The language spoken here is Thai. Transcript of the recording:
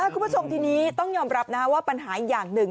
คุณผู้ชมทีนี้ต้องยอมรับว่าปัญหาอีกอย่างหนึ่ง